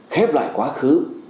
khép lại quá khứ